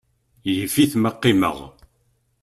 Yif-it ma qqimeɣ.